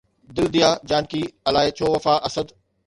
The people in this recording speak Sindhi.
دل ديا جانڪي الائي ڇو وفا، اسد